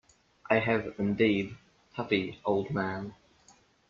I have, indeed, Tuppy, old man.